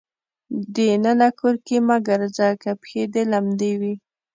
د ننه کور کې مه ګرځه که پښې دې لمدې وي.